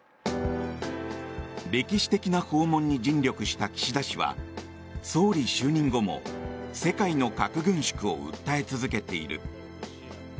歴史的な訪問に尽力した岸田氏は総理就任後も世界の核軍縮を訴え続けている。